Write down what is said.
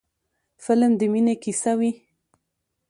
فلم د مینې کیسه وي